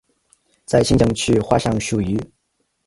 在行政区划上属于。